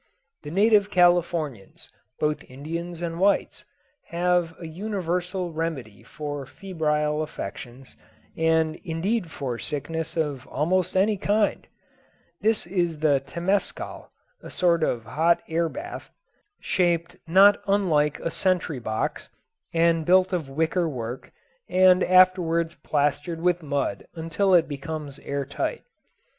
The native Californians, both Indians and whites, have an universal remedy for febrile affections, and indeed for sickness of almost any kind; this is the temascal, a sort of hot air bath, shaped not unlike a sentry box, and built of wicker work, and afterwards plastered with mud until it becomes air tight.